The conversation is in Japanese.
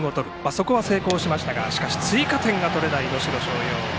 そこは成功しましたがしかし追加点が取れない能代松陽。